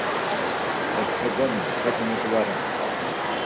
Otzǩedoni soti mutu va ren.